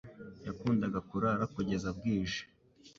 Yakundaga kurara kugeza bwije.